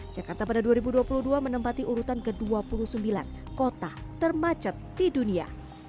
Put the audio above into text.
jakarta pada dua ribu dua puluh dua menempati urutan ke dua puluh sembilan kota termacet di dunia